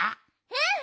うん！